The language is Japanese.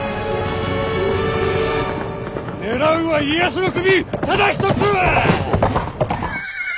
狙うは家康の首ただ一つ！